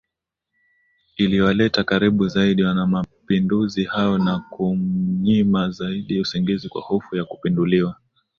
Iliwaleta karibu zaidi wanamapinduzi hao na kumnyima zaidi usingizi kwa hofu ya kupinduliwa